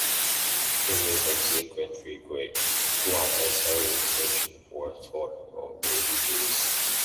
They may subsequently grant a third extension for a total of eighty years.